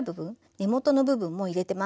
根元の部分も入れてます。